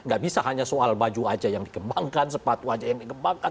gak bisa hanya soal baju aja yang dikembangkan sepatu aja yang dikembangkan